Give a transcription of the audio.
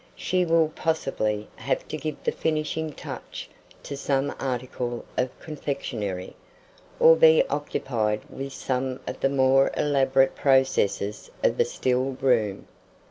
She will, possibly, have to give the finishing touch to some article of confectionary, or be occupied with some of the more elaborate processes of the still room.